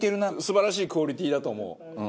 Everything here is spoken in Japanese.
素晴らしいクオリティーだと思う。